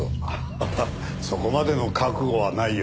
ハハハそこまでの覚悟はないよ。